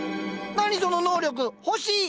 何その能力欲しい！